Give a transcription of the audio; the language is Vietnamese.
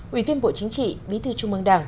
ủy viên bộ chính trị bí thư trung mương đảng